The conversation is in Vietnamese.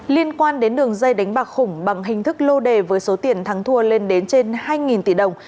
liên quan đến đường dây đánh bạc khủng bằng hình thức lô đề với số tiền thắng thua lên đến trên hai tỷ đồng